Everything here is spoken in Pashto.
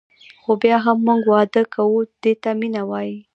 خو بیا هم موږ واده کوو دې ته مینه وايي.